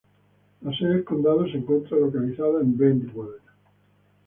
La sede del condado se encuentra localizada en Brentwood.